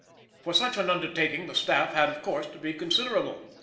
_ For such an undertaking the staff had, of course, to be considerable.